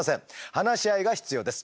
話し合いが必要です。